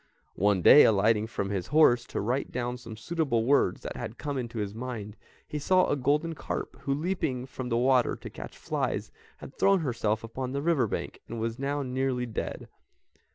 One day, alighting from his horse to write down some suitable words that had come into his mind, he saw a golden carp who, leaping from the water to catch flies, had thrown herself upon the river bank, and was now nearly dead.